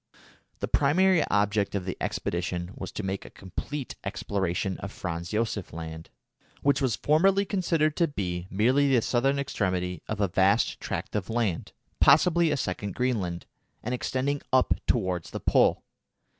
The primary object of the expedition was to make a complete exploration of Franz Josef Land, which was formerly considered to be merely the southern extremity of a vast tract of land, possibly a second Greenland, and extending up towards the Pole.